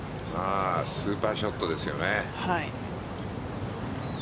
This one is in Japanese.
スーパーショットですよね。